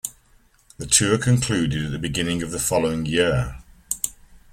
The tour concluded at the beginning of the following year.